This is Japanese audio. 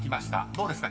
どうですか？